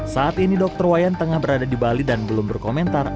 saat ini dokter wayan tengah berada di bali dan belum berkomentar